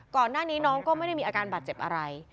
ก่อนหน้านี้น้องก็ไม่ได้มีอาการบาดเจ็บอะไร